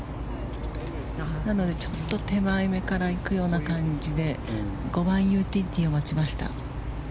なのでちょっと手前めからいくような感じで５番ユーティリティーを持ちました。